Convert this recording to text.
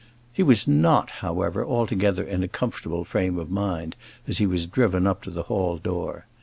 He was not, however, altogether in a comfortable frame of mind as he was driven up to the hall door.